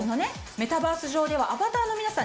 メタバース上ではアバターの皆さん